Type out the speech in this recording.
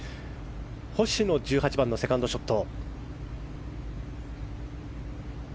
星野、１８番のセカンドショット。